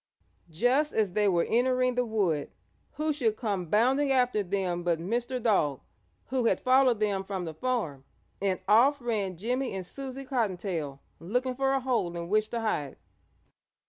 Just as they were entering the wood who should come bounding after them but Mr. Dog, who had followed them from the farm, and off ran Jimmie and Susie Cottontail looking for a hole in which to hide.